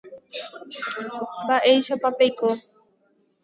Mba’éichapa peiko.